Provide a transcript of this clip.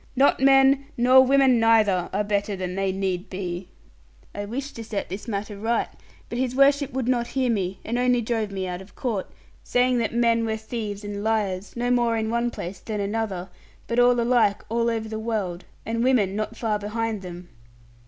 Not men, nor women neither, are better than they need be.' I wished to set this matter right; but his worship would not hear me, and only drove me out of court, saying that men were thieves and liars, no more in one place than another, but all alike all over the world, and women not far behind them.